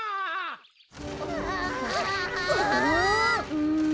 うん。